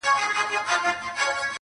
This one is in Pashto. ما به کیسه درته کول، راڅخه ورانه سوله.!